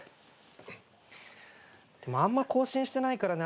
でもあんま更新してないから。